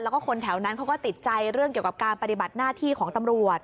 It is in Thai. แล้วก็คนแถวนั้นเขาก็ติดใจเรื่องเกี่ยวกับการปฏิบัติหน้าที่ของตำรวจ